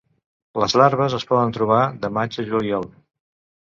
Les larves es poden trobar de maig a juliol.